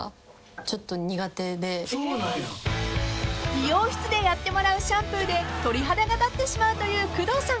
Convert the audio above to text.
［美容室でやってもらうシャンプーで鳥肌が立ってしまうという工藤さん］